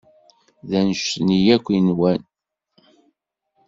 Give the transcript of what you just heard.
D anect-nni akk i nwan.